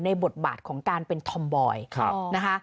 บทบาทของการเป็นธอมบอยนะคะ